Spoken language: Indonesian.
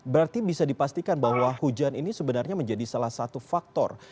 berarti bisa dipastikan bahwa hujan ini sebenarnya menjadi salah satu faktor